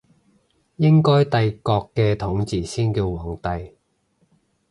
應該帝國嘅統治者先叫皇帝